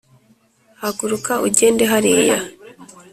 haguruka ugende hariya